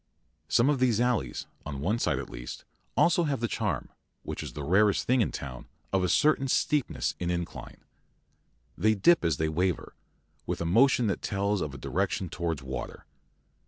Some of these alleys, on one side at least, have also the charm, which is the rarest thing in town, of a certain steepness in incline. They dip as they waver, with a motion that tells of a direction towards water.